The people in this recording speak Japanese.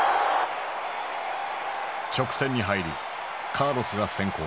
直線に入りカーロスが先行。